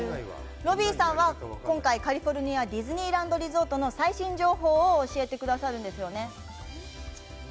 ロビーさんは今回カリフォルニアディズニーランドリゾートの最新情報を教えてくださるんですよね？